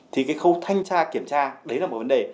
thì cái khâu thanh tra kiểm tra đấy là một vấn đề